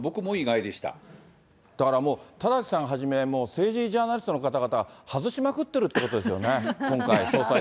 だからもう、田崎さんはじめ、政治ジャーナリストの方々、外しまくってるってことですよね？